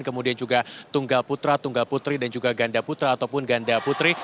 kemudian juga tunggal putra tunggal putri dan juga ganda putra ataupun ganda putri